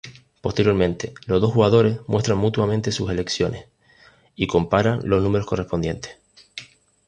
Posteriormente, los dos jugadores muestran mutuamente sus elecciones, y comparan los números correspondientes.